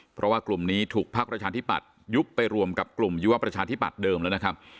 เพราะว่ากลุ่มนี้ถูกพักประชาธิปัตยุบไปรวมกับกลุ่มยุวประชาธิบัตย์เดิมแล้วนะครับ